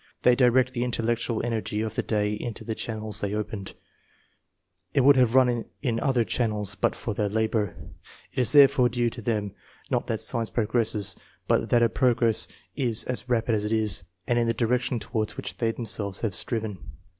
They direct the intellectual energy of the day into the channels they opened; it would have run in other channels but for their labour. It is therefore due to them, not that science progresses, but that her progress is as rapid as it is, and in the direction towards which they themselves have striven.